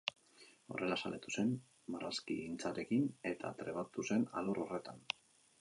Horrela zaletu zen marrazkigintzarekin eta trebatu zen alor horretan.